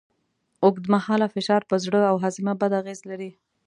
اوږدمهاله فشار پر زړه او هاضمه بد اغېز لري.